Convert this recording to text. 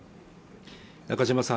中島さん